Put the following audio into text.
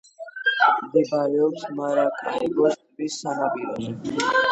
მდებარეობს მარაკაიბოს ტბის სანაპიროზე.